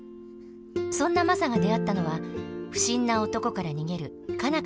そんなマサが出会ったのは不審な男から逃げる佳奈